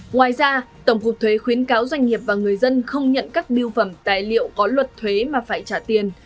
ngoài ra tổng cục thuế khuyến cáo doanh nghiệp và người dân không nhận các biêu phẩm tài liệu có luật thuế mà phải trả tiền